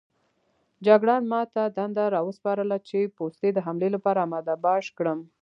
جګړن ما ته دنده راوسپارله چې پوستې د حملې لپاره اماده باش کړم.